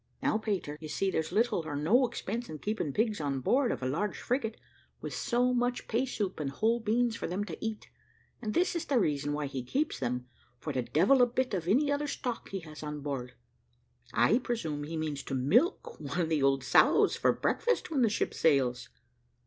Now, Peter, you see there's little or no expense in keeping pigs on board of a large frigate, with so much pay soup and whole peas for them to eat, and this is the reason why he keeps them, for the devil a bit of any other stock has he on board. I presume he means to milk one of the old sows for breakfast when the ship sails.